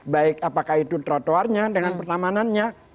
baik apakah itu trotoarnya dengan pertamanannya